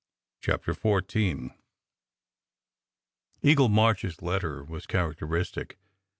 CHAPTER XIV EAGLE MARCH S letter was characteristic.